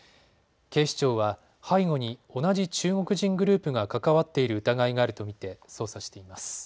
警視庁は背後に同じ中国人グループが関わっている疑いがあると見て捜査しています。